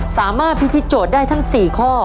สามารถพิธีโจทย์ได้ทั้ง๔ข้อ